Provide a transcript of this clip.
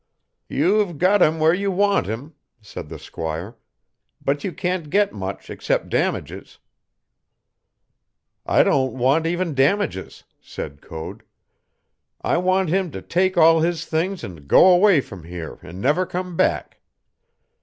"You've got him where you want him," said the squire, "but you can't get much except damages." "I don't want even damages," said Code. "I want him to take all his things and go away from here and never come back.